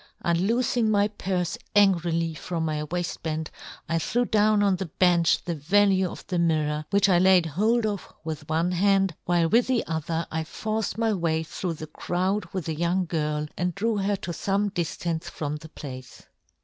Un " loofing my purfe angrily from my yohn Gutenberg. 135 " waiftband, I threw down on the " bench the value of the mirror, " which I laid hold of with one " hand, while with the other I forced " my way through the crowd with " the young girl, and drew her to " fome diftance from the place.